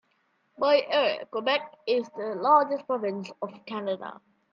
By area, Quebec is the largest province of Canada.